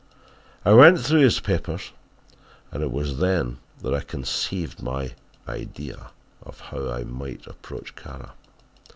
I went through his papers and it was then that I conceived my idea of how I might approach Kara.